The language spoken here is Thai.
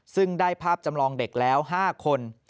ซึ่งได้ภาพจำลองเด็กแล้ว๕คน